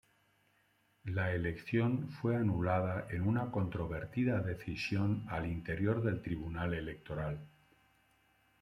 La elección fue anulada en una controvertida decisión al interior del Tribunal Electoral.